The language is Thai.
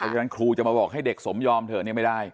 เพราะฉะนั้นครูจะมาบอกให้เด็กสมยอมเถอะเนี่ยไม่ได้